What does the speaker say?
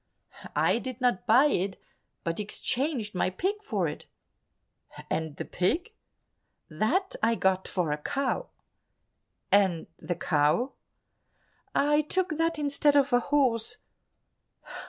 "I did not buy it, but exchanged my pig for it." "And the pig?" "That I got for a cow." "And the cow?" "I took that instead of a horse."